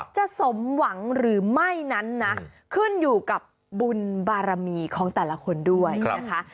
สมหวังหรือไม่นั้นนะขึ้นอยู่กับบุญบารมีของแต่ละคนด้วยนะคะ